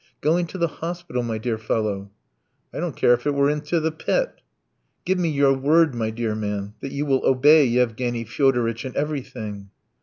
"Go into the hospital, my dear fellow." "I don't care if it were into the pit." "Give me your word, my dear man, that you will obey Yevgeny Fyodoritch in everything."